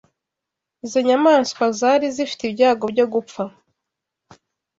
Izo nyamaswa zari zifite ibyago byo gupfa.